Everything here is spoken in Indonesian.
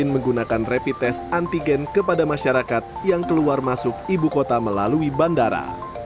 menggunakan rapid test antigen kepada masyarakat yang keluar masuk ibu kota melalui bandara